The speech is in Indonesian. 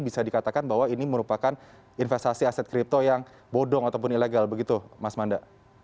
bisa dikatakan bahwa ini merupakan investasi aset kripto yang bodong ataupun ilegal begitu mas manda